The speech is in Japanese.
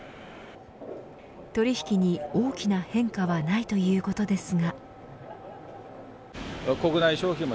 取引に大きな変化はないということですが。